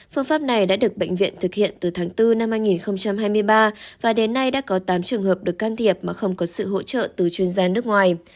phương pháp này đã được bệnh viện thực hiện từ tháng bốn năm hai nghìn hai mươi ba và đến nay đã có tám trường hợp được can thiệp mà không có sự hỗ trợ từ chuyên gia nước ngoài